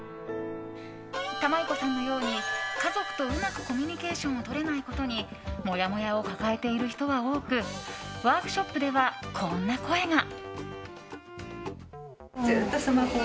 玉居子さんのように家族とうまくコミュニケーションをとれないことにモヤモヤを抱えている人は多くワークショップではこんな声が。